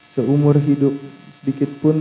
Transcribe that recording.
seumur hidup sedikit pun